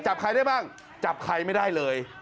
จับใครได้บ้างจับใครไม่ได้เลย